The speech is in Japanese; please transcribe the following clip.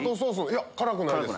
いや辛くないです